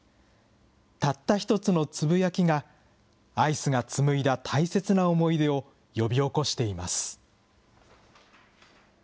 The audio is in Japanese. たった一つのつぶやきが、アイスが紡いだ大切な思い出を呼び起こしています。